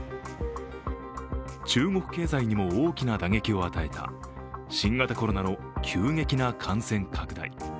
中国経済にも大きな打撃を与えた新型コロナの急激な感染拡大。